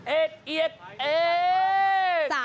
เอกเอกเอก